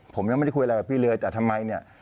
ผมยังไม่ได้คุยอะไรกับพี่เลยแต่ทำไมเนี่ย